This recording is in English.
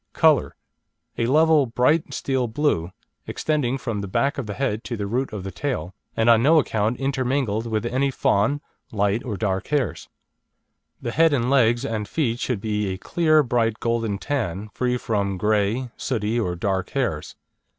COLOUR A level, bright steel blue, extending from the back of the head to the root of the tail, and on no account intermingled with any fawn, light or dark hairs. The head, legs, and feet should be a clear, bright, golden tan, free from grey, sooty, or dark hairs.